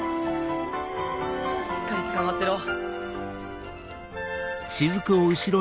しっかりつかまってろ。